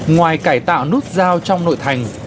ngoài cải tạo nút giao trong nội thành